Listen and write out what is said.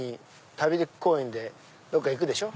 旅公演でどっか行くでしょ。